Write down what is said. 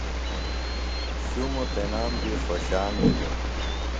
شُمو تنام دیۡ خوشان بھِلوۡ۔